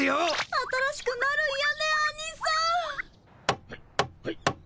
新しくなるんやねアニさん。